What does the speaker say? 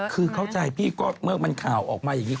คือเข้าใจพี่ก็เมื่อมันข่าวออกมาอย่างนี้